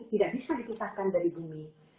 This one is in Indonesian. tidak bisa dipisahkan dari bumi